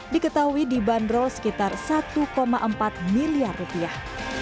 diketahui dibanderol sekitar satu empat miliar rupiah